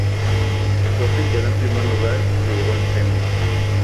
Sophie quedó en primer lugar y se llevó el premio.